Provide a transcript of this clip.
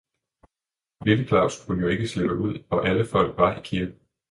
Lille Claus kunne jo ikke slippe ud og alle folk var i kirken.